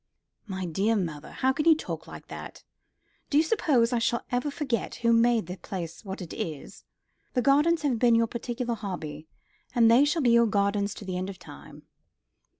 "My dear mother, how can you talk like that? Do you suppose I shall ever forget who made the place what it is? The gardens have been your particular hobby, and they shall be your gardens to the end of time."